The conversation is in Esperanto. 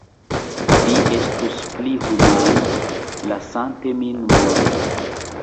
Vi estus pli humana, lasante min morti.